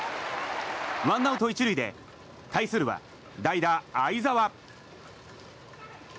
ワンアウト１塁で対するは代打、會澤。